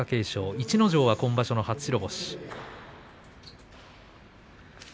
逸ノ城は今場所の初白星。